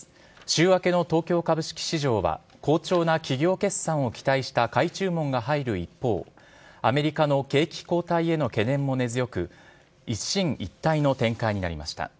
週明けの東京株式市場は好調な企業決算を期待した買い注文が入る一方、アメリカの景気後退への懸念も根強く、一進一退の展開になりました。